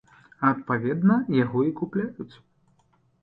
Адпаведна, яго і купляюць.